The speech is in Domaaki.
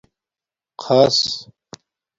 خَص